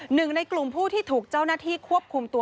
หนึ่งในกลุ่มผู้ที่ถูกเจ้าหน้าที่ควบคุมตัว